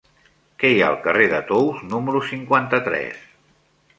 Què hi ha al carrer de Tous número cinquanta-tres?